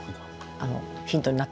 ヒントになった？